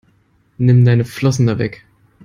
Nimm deine Flossen da weg!